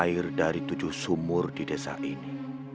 air dari tujuh sumur di desa ini